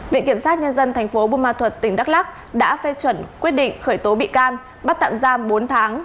viện kiểm sát nhân dân tp bumatut tỉnh đắk lắc đã phê chuẩn quyết định khởi tố bị can bắt tạm giam bốn tháng